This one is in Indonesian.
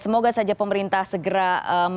semoga saja pemerintah segera